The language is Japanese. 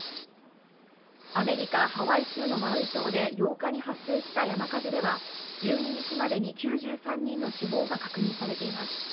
アメリカ・ハワイ州のマウイ島で８日に発生した山火事では１２日までに９３人の死亡が確認されています。